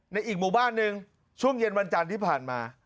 อีกหมู่บ้านหนึ่งช่วงเย็นวันจันทร์ที่ผ่านมา